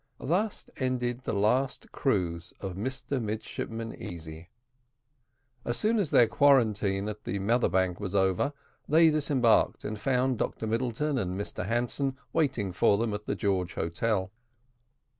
Thus ended the last cruise of Mr Midshipman Easy. As soon as their quarantine at the Mother bank was over, they disembarked, and found Dr Middleton and Mr Hanson waiting for them at the George Hotel.